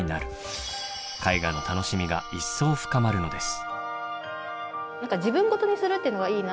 絵画の楽しみが一層深まるのです。